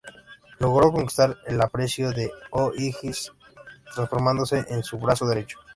Logró conquistar el aprecio de O´Higgins, transformándose en su brazo derecho.